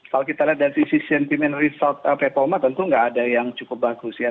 kalau kita lihat dari sisi sentimen resort performa tentu nggak ada yang cukup bagus ya